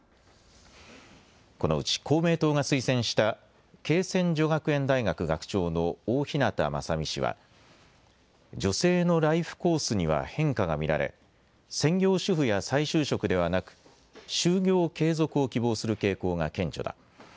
このうち公明党が推薦した恵泉女学園大学学長の大日向雅美氏は女性のライフコースには変化が見られ専業主婦や再就職ではなく就業継続を希望する傾向が顕著だ。